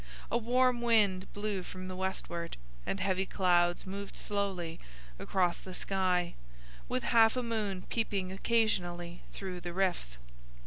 A warm wind blew from the westward, and heavy clouds moved slowly across the sky, with half a moon peeping occasionally through the rifts.